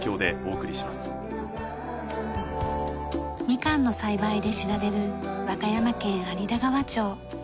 みかんの栽培で知られる和歌山県有田川町。